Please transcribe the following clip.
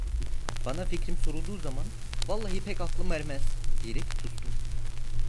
Bana fikrim sorulduğu zaman, "Vallahi pek aklım ermez!" diyerek sustum.